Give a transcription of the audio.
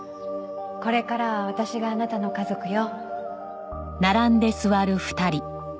これからは私があなたの家族よ。